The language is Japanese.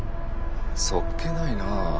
そっけないな。